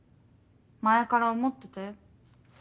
前から思ってたよ。